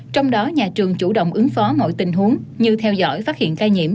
trong đó nhà trường chủ động ứng phó mọi tình huống như theo dõi phát hiện ca nhiễm